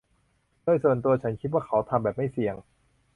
โดยส่วนตัวฉันคิดว่าเขาทำแบบไม่เสี่ยง